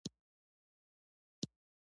د خاورو دوړې په نیمروز کې دي